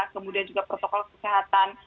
kemudian juga protokol kesehatan